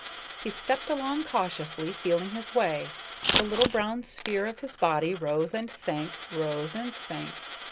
He stepped along cautiously, feeling his way; the little brown sphere of his body rose and sank, rose and sank.